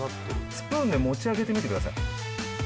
スプーンで持ち上げてみてください。